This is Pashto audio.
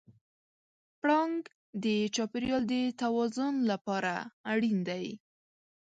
پړانګ د چاپېریال د توازن لپاره اړین دی.